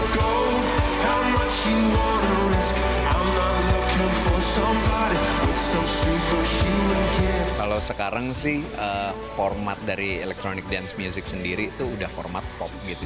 kalau sekarang sih format dari electronic dance music sendiri itu udah format pop gitu